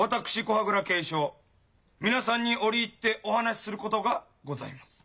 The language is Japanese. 古波蔵恵尚皆さんに折り入ってお話することがございます。